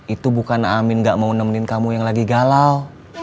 itu bukan amin gak mau nemenin kamu yang lagi galau